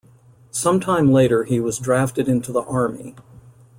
Some time later he was drafted into the army.